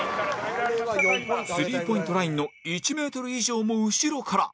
スリーポイントラインの１メートル以上も後ろから